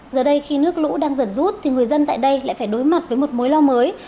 giờ đây khi nước lũ đang dần rút thì người dân tại đây lại phải đối mặt với một mối lo mới